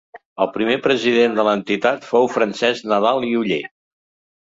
El primer president de l'entitat fou Francesc Nadal i Oller.